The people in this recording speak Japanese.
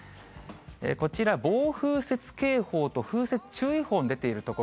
こちら、暴風雪警報と風雪注意報の出ている所。